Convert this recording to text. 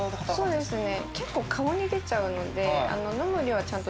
そうですか。